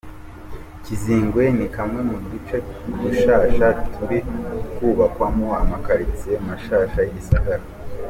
Kizingwe ni kamwe mu duce dushasha turiko twubakwamwo ama quartier mashasha y'igisagara.